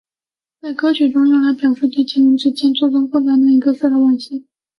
在歌曲中用来表示对情人之间错综复杂难以割舍的惋惜。